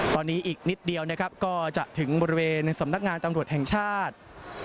ตอนนี้อีกนิดเดียวนะครับก็จะถึงบริเวณสำนักงานตำรวจแห่งชาติ